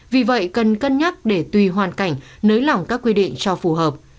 vì vậy cần cân nhắc để tùy hoàn cảnh nới lỏng các quy định cho phù hợp